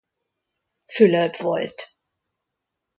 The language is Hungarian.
Fülöp volt.